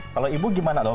kalau ibu gimana loh